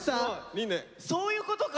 そういうことか！